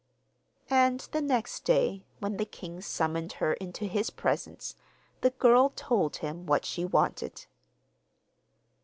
And the next day, when the king summoned her into his presence, the girl told him what she wanted.